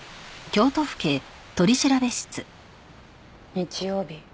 日曜日